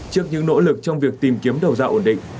trước những nỗ lực trong việc tìm kiếm đầu ra ổn định